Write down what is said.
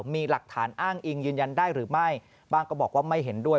มีหลักฐานอ้างอิงยืนยันได้หรือไม่บ้างก็บอกว่าไม่เห็นด้วย